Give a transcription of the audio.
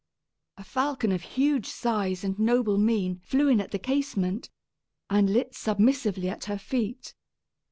A falcon of huge size and noble mien flew in at the casement, and lit submissively at her feet.